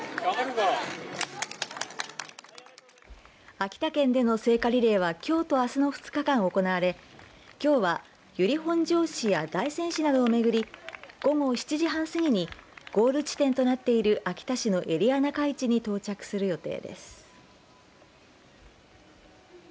秋田県での聖火リレーはきょうとあすの２日間行われきょうは由利本荘市や大仙市などをめぐり午後７時半過ぎにゴール地点となっている秋田市のエリアなかいちに到着する予定です。